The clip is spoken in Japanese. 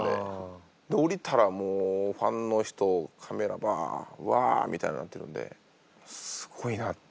降りたらもうファンの人カメラバッワアみたいになってるんですごいなって。